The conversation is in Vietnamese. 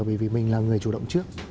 bởi vì mình là người chủ động trước